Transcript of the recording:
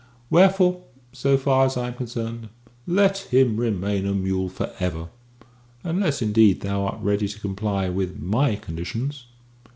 Wherefore, so far as I am concerned, let him remain a mule for ever; unless, indeed, thou art ready to comply with my conditions."